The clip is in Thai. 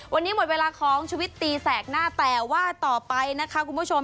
วันนี้หมดเวลาของชุวิตตีแสกหน้าแต่ว่าต่อไปนะคะคุณผู้ชม